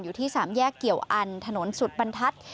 อยู่ที่สามแยกเกี่ยวอันถนนสุดบรรทัศน์